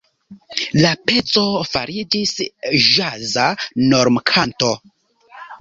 La peco fariĝis ĵaza normkanto.